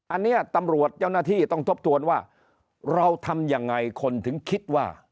อันนี้ตำรวจเจ้าหน้าที่ต้องทบทวนว่าเราทำยังไงคนถึงคิดว่า